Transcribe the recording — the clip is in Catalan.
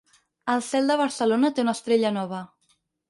El cel de Barcelona té una estrella nova.